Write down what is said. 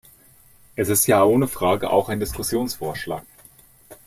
Es ist ja ohne Frage auch ein Diskussionsvorschlag.